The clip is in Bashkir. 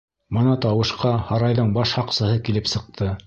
Бына тауышҡа һарайҙың баш һаҡсыһы килеп сыҡты.